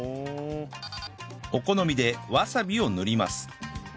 お好みでわさびを塗ります